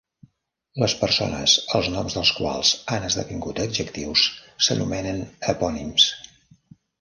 Les persones els noms del quals han esdevingut adjectius s'anomenen epònims.